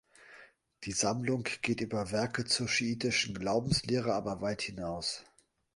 Die Sammlung geht über Werke zur schiitischen Glaubenslehre aber weit hinaus.